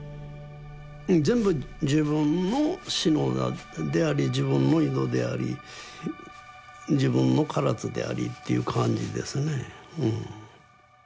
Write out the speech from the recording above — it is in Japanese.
全部自分の志野であり自分の井戸であり自分の唐津でありっていう感じですね。